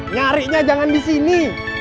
nyarinya jangan di sini